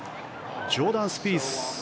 ジョーダン・スピース。